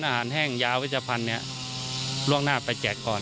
ได้จัดเตรียมความช่วยเหลือประบบพิเศษสี่ชน